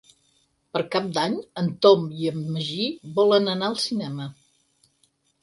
Per Cap d'Any en Tom i en Magí volen anar al cinema.